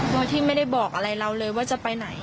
โดยที่ไม่ได้บอกอะไรเราเลยว่าจะไปไหน